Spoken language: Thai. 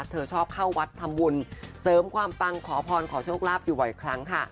เธอชอบเข้าวัดทำบุญเสริมความปังขอพรขอโชคลาภอยู่บ่อยครั้งค่ะ